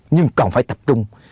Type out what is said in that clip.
nhưng còn phải tập trung